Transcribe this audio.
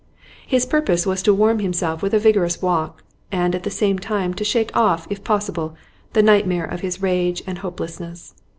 His purpose was to warm himself with a vigorous walk, and at the same time to shake off if possible, the nightmare of his rage and hopelessness.